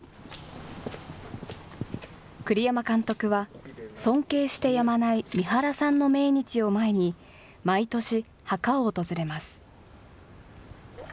栗山監督は尊敬してやまない三原さんの命日を前に、毎年、墓を訪れます。